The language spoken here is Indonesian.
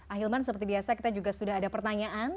ahilman seperti biasa kita juga sudah ada pertanyaan